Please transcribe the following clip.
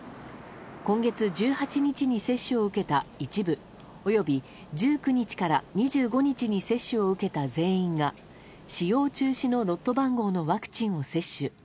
今月１８日に接種を受けた一部及び１９日から２５日に接種を受けた全員が使用中止のロット番号のワクチンを接種。